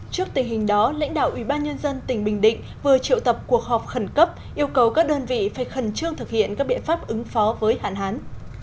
trước tình hình đó lãnh đạo ubnd tỉnh bình định vừa triệu tập cuộc họp khẩn cấp yêu cầu các đơn vị phải khẩn trương thực hiện các biện pháp ứng phó với hạn hán